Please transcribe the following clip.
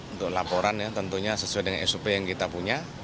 untuk laporan tentunya sesuai dengan s u p yang kita punya